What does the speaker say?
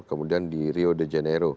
kemudian di rio de janeiro